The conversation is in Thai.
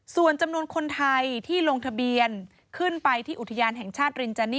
ส่วนจำนวนคนไทยที่ลงทะเบียนขึ้นไปที่อุทยานแห่งชาติรินจานี่